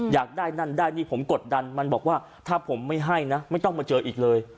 อยากได้นั่นได้นี่ผมกดดันมันบอกว่าถ้าผมไม่ให้นะไม่ต้องมาเจออีกเลย